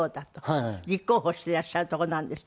立候補していらっしゃるとこなんですって？